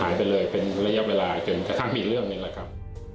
ไปเลยเป็นระยะเวลาจนกระทั่งมีเรื่องหนึ่งแหละครับ